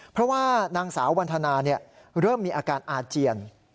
เพราะว่านางสาววันธนาเริ่มมีอาการอาเจียน